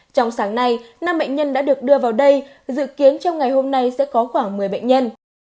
trong sáng nay năm bệnh nhân đã được đưa vào đây dự kiến trong ngày hôm nay sẽ có khoảng một mươi bệnh nhân